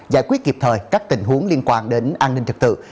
giải quyết kịp thời các tình huống liên quan đến an ninh trật tự